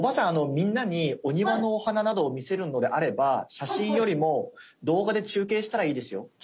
みんなにお庭のお花などを見せるのであれば写真よりも動画で中継したらいいですよ。